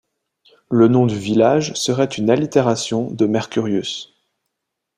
Le nom du village serait une allitération de Mercurius.